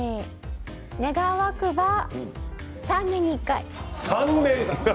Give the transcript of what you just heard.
願わくば３年に１回。